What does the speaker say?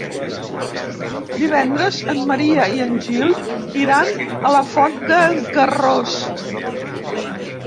Divendres en Maria i en Gil iran a la Font d'en Carròs.